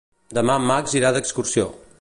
Demà en Max irà d'excursió.